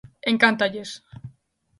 ¡Encántalles!